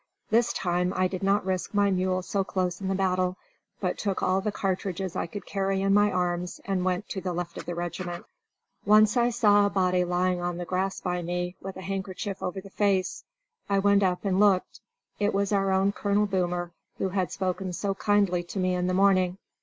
This time I did not risk my mule so close in the battle, but took all the cartridges I could carry in my arms and went to the left of the regiment. Once I saw a body lying on the grass by me, with a handkerchief over the face. I went up and looked. It was our own Colonel Boomer, who had spoken so kindly to me in the morning.